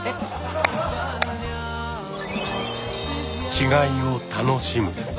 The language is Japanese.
「違いを楽しむ」